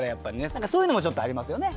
何かそういうのもちょっとありますよね。